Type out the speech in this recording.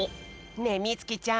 ねえみつきちゃん